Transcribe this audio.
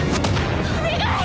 お願い！